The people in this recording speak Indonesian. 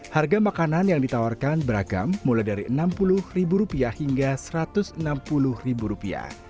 harga makanan yang ditawarkan beragam mulai dari rp enam puluh hingga rp satu ratus enam puluh